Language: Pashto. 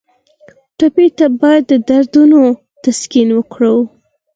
ټپي ته باید د دردونو تسکین ورکړو.